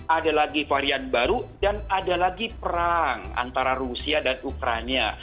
ada lagi varian baru dan ada lagi perang antara rusia dan ukraina